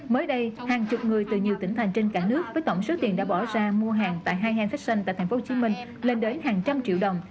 mới đây hàng chục người từ nhiều tỉnh thành trên cả nước với tổng số tiền đã bỏ ra mua hàng tại hihand fashion tại tp hcm lên đến hàng trăm triệu đồng